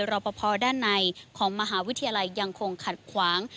รอปภด้านในของมหาวิทยาลัยยังคงขัดขวาง